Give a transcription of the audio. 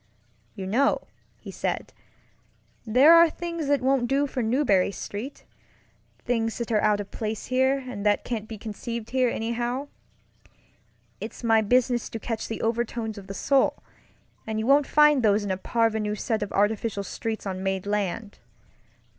"You know," he said, "there are things that won't do for Marlborough StreetŌĆöthings that are out of place here, and that can't be conceived here, anyhow. It's my business to catch the overtones of the soul, and you won't find those in a parvenu set of artificial streets on made land.